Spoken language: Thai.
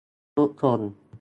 ทุกคน